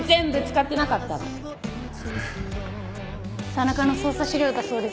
田中の捜査資料だそうです。